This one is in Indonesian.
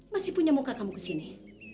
masih punya muka kamu kesini